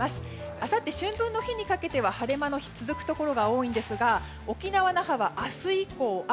あさって春分の日にかけては晴れ間の続くところが多いんですが沖縄・那覇は明日以降、雨。